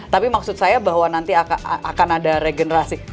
tapi maksud saya bahwa nanti akan ada regenerasi